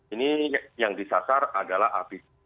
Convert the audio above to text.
ini yang disasar adalah apd